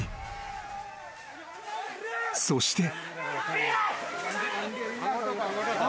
［そして］